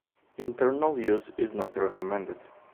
Internal use is not recommended.